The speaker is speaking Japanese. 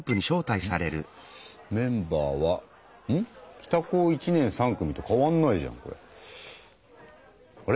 「北高１年３組」と変わんないじゃんこれ。